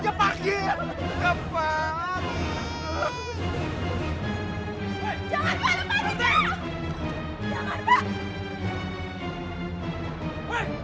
saya keseluruhan amin amin